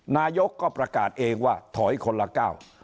นายกก็ประกาศเองว่าถอยคนละก้าว